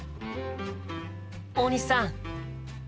大西さん！